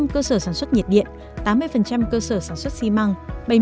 chín mươi cơ sở sản xuất nhiệt điện tám mươi cơ sở sản xuất xi măng